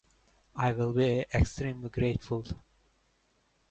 I will be extremely grateful.